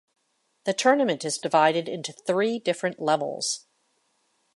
The tournament is divided into three different levels.